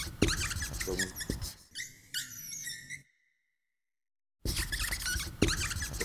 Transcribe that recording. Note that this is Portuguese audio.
Vamos nadar no sábado.